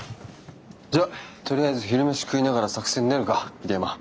じゃあとりあえず昼飯食いながら作戦練るか桐山。